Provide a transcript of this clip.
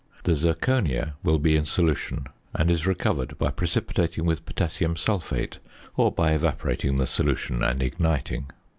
The zirconia will be in solution, and is recovered by precipitating with potassium sulphate, or by evaporating the solution and igniting.